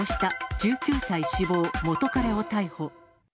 １９歳死亡、元彼を逮捕。